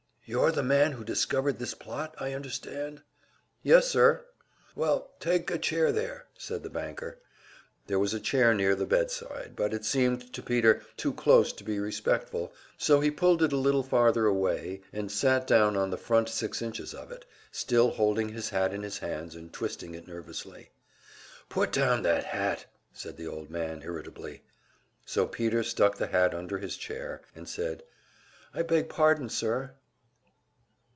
"You're the man who discovered this plot, I understand?" "Yes, sir." "Well, take a chair, there," said the banker. There was a chair near the bedside, but it seemed to Peter too close to be respectful, so he pulled it a little farther away, and sat down on the front six inches of it, still holding his hat in his hands and twisting it nervously. "Put down that hat," said the old man, irritably. So Peter stuck the hat under his chair, and said: "I beg pardon, sir."